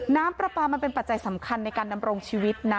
น้ำปลาปลามันเป็นปัจจัยสำคัญในการดำรงชีวิตนะ